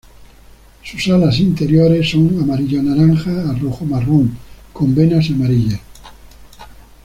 Sus alas interiores son amarillo-naranja a rojo-marrón, con venas amarillas.